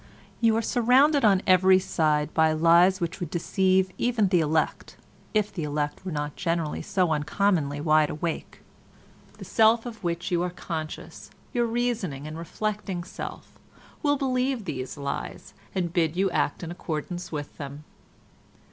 "You are surrounded on every side by lies which would deceive even the elect, if the elect were not generally so uncommonly wide awake; the self of which you are conscious, your reasoning and reflecting self, will believe these lies and bid you act in accordance with them.